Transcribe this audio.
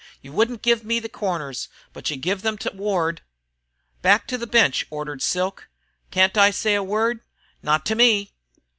You wouldn't give me the corners, but you give them 'to Ward." "Back to the bench," ordered Silk. "Can't I say a word?" "Not to me."